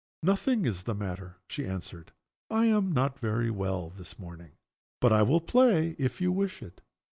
"Nothing is the matter," she answered. "I am not very well this morning. But I will play if you wish it."